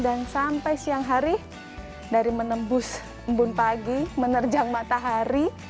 dan sampai siang hari dari menembus mbun pagi menerjang matahari